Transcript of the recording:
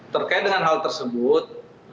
terkait dengan hal tersebut